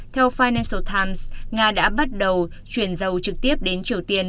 theo finanil times nga đã bắt đầu chuyển dầu trực tiếp đến triều tiên